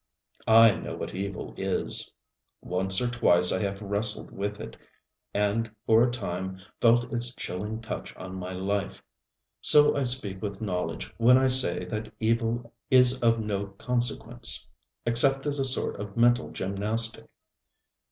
I know what evil is. Once or twice I have wrestled with it, and for a time felt its chilling touch on my life; so I speak with knowledge when I say that evil is of no consequence, except as a sort of mental gymnastic.